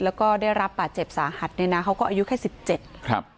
แล้วก็ได้รับบาดเจ็บสาหัสเนี่ยนะเขาก็อายุแค่สิบเจ็ดครับ